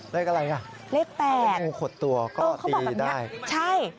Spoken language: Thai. เลขอะไรอ่ะเลขแปดงูขดตัวก็ตีได้ใช่